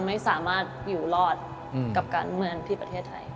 ไม่สามารถอยู่รอดกับการเมืองที่ประเทศไทย